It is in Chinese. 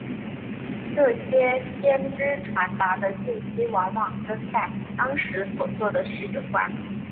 这些先知传达的信息往往跟在当时所做的事有关。